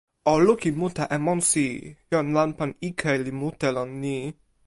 o lukin mute e monsi. jan lanpan ike li mute lon ni.